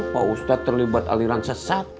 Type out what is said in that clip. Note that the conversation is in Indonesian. pak ustadz terlibat aliran sesat